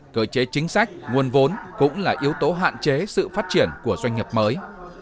cơ chế chính sách nguồn vốn cũng là yếu tố hạn chế sự phát triển của doanh nghiệp mới